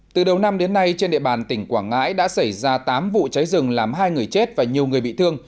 từ đầu năm đến nay trên địa bàn tỉnh quảng ngãi đã xảy ra tám vụ cháy rừng làm hai người chết và nhiều người bị thương